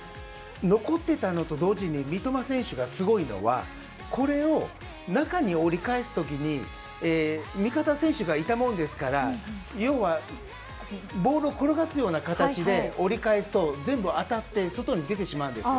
残ってたのと同時に三笘選手がすごいのはこれを中に折り返す時に味方選手がいたものですからボールを転がすような形で折り返すと全部当たって外に出てしまうんですよ。